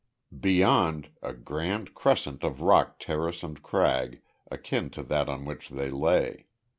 Beyond, a grand crescent of rock terrace and crag, akin to that on which they lay.